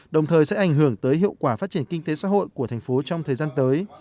đồng thời sẽ ảnh hưởng tới hiệu quả phát triển kinh tế xã hội của thành phố trong thời gian tới